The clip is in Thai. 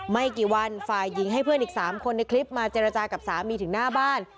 ไม่กี่วันฝ่ายหญิงให้เพื่อนอีก๓คนในคลิปมาเจรจากับสามีถึงหน้าบ้าน